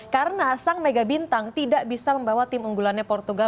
karena sang mega bintang tidak bisa membawa tim unggulannya portugal